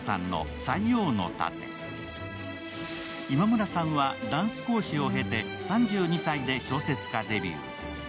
今村さんはダンス講師を経て３２歳で小説家デビュー。